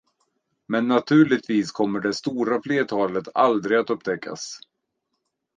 Men naturligtvis kommer det stora flertalet aldrig att upptäckas.